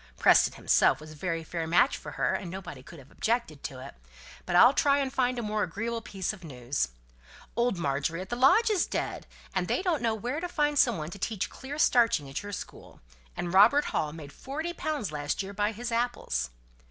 Preston himself was a very fair match for her, and nobody could have objected to it. But I'll try and find a more agreeable piece of news. Old Margery at the lodge is dead; and they don't know where to find some one to teach clear starching at your school; and Robert Hall made forty pounds last year by his apples."